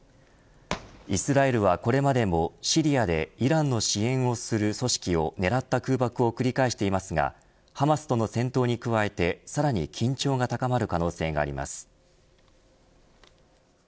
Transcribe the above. イスラエルはこれまでもシリアでイランの支援をする組織を狙った空爆を繰り返していますがハマスとの戦闘に加えてさらに緊張が高まる可能性があります。